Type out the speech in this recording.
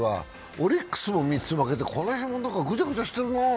オリックスも３つ負けてこの辺ぐちゃぐちゃしてるな。